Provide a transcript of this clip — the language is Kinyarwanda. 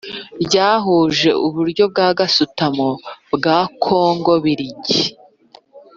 ryahuje uburyo bwa gasutamo bwa Kongo mbirigi